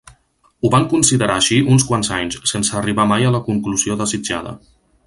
Ho van considerar així uns quants anys, sense arribar mai a la conclusió desitjada.